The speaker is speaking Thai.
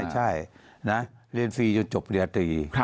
ใช่เรียนฟรีจนจบระดี